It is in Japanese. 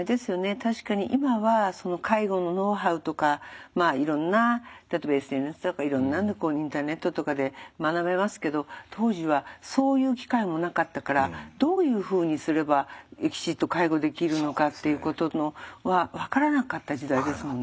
確かに今は介護のノウハウとかいろんな例えばＳＮＳとかいろんなのでインターネットとかで学べますけど当時はそういう機会もなかったからどういうふうにすればきちっと介護できるのかっていうことは分からなかった時代ですもんね。